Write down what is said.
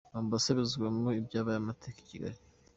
Mombasa ibarizwamo ibyabaye amateka i Kigali.